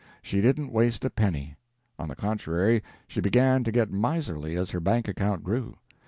She didn't waste a penny. On the contrary, she began to get miserly as her bank account grew.